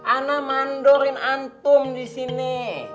ana mandorin antum di sini